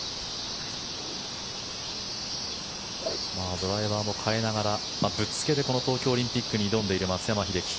ドライバーも変えながらぶっつけでこの東京オリンピックに挑んでいる松山英樹。